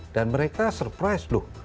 dan mereka surprise loh